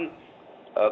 kepada staff bnn itu